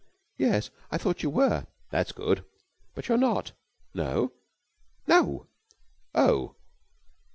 "Yes. I thought you were." "That's good." "But you're not!" "No?" "No!" "Oh!"